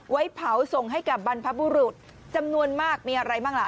ไว้เผาส่งให้กับบรรพบุรุษจำนวนมากมีอะไรบ้างล่ะ